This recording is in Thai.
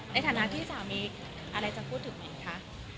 ในฐานะที่สามีอะไรจะพูดถึงมินคะ